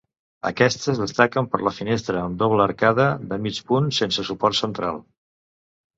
Aquestes destaquen per la finestra amb doble arcada de mig punt sense suport central.